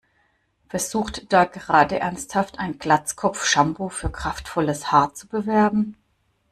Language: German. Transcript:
Versucht da gerade ernsthaft ein Glatzkopf, Shampoo für kraftvolles Haar zu bewerben?